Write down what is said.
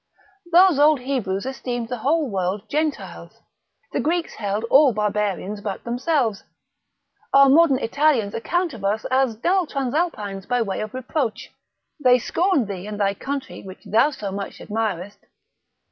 Those old Hebrews esteemed the whole world Gentiles; the Greeks held all barbarians but themselves; our modern Italians account of us as dull Transalpines by way of reproach, they scorn thee and thy country which thou so much admirest.